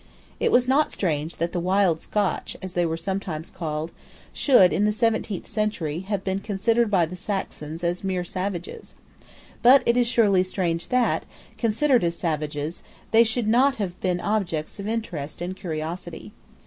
It is not strange that the Wild Scotch, as they were sometimes called, should, in the seventeenth century, have been considered by the Saxons as mere savages. But it is surely strange that, considered as savages, they should not have been objects of interest and curiosity.